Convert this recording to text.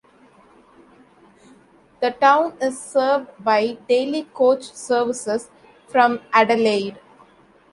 The town is served by daily coach services from Adelaide.